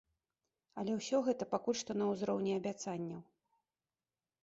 Але ўсё гэта пакуль што на ўзроўні абяцанняў.